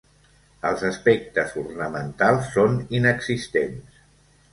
Els aspectes ornamentals són inexistents.